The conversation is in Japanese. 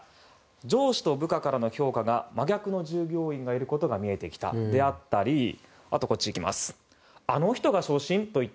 上司と部下からの評価が真逆の従業員がいることが見えてきたであったりあの人が昇進？といった